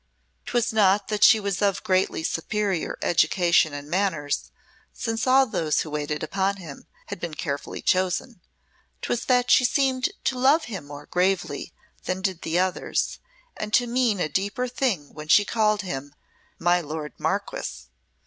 'Twas not that she was of greatly superior education and manners, since all those who waited upon him had been carefully chosen; 'twas that she seemed to love him more gravely than did the others, and to mean a deeper thing when she called him "my lord Marquess."